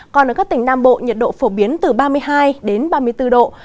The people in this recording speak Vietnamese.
còn ở các tỉnh nam bộ nhiệt độ phổ biến từ ba mươi hai đến ba mươi bốn độ